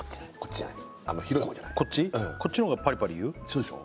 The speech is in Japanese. こっちのほうがパリパリいう？